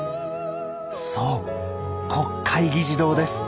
そう国会議事堂です。